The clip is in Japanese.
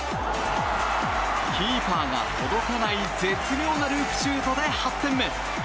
キーパーが届かない絶妙なループシュートで８点目。